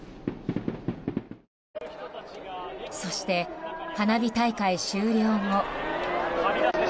そして、花火大会終了後。